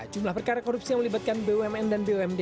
jumlah perkara korupsi yang melibatkan bumn dan bumd